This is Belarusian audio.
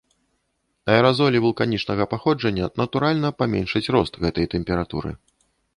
Аэразолі вулканічнага паходжання натуральна паменшаць рост гэтай тэмпературы.